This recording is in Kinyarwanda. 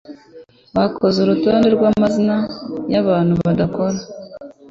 Bakoze urutonde rwamazina yabantu badakora